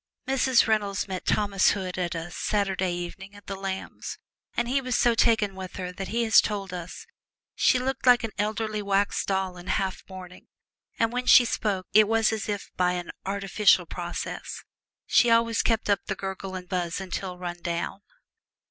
Mrs. Reynolds met Thomas Hood at a "Saturday Evening" at the Lambs', and he was so taken with her that he has told us "she looked like an elderly wax doll in half mourning, and when she spoke it was as if by an artificial process; she always kept up the gurgle and buzz until run down."